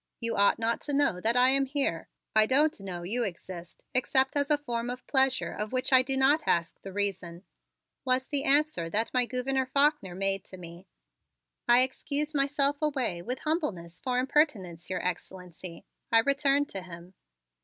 You ought not to know I am here. I don't know you exist except as a form of pleasure of which I do not ask the reason," was the answer that my Gouverneur Faulkner made to me. "I excuse myself away with humbleness for impertinence, Your Excellency," I returned to him.